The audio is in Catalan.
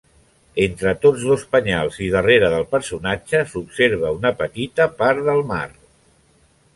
Entre tots dos penyals i darrere del personatge, s'observa una petita part del mar.